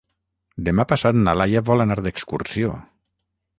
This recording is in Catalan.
Demà passat na Laia vol anar d'excursió.